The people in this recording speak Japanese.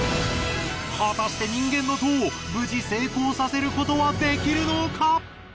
果たして人間の塔無事成功させることはできるのか！？